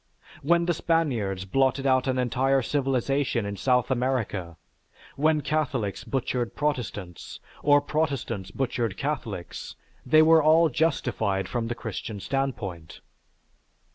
When the Spaniards blotted out an entire civilization in South America, when Catholics butchered Protestants, or Protestants butchered Catholics, they were all justified from the Christian standpoint.